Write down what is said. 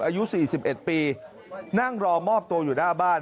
อายุ๔๑ปีนั่งรอมอบตัวอยู่หน้าบ้าน